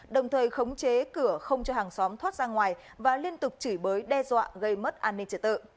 đồng thời khống chế cửa không cho hàng xóm thoát ra ngoài và liên tục chửi bới đe dọa gây mất an ninh trật tự